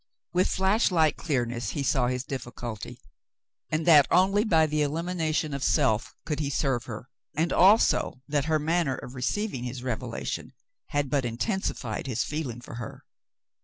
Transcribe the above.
With flash light clearness he saw his diflficulty, and that only by the elimination of self could he serve her, and also that her manner of receiving his revelation had but inten sified his feeling for her.